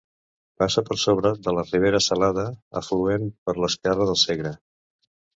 Passa per sobre de la Ribera Salada, afluent per l'esquerra del Segre.